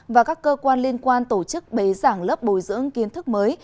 và các cơ quan liên quan tổ chức bế giảng lớp bồi dưỡng kiến thức mới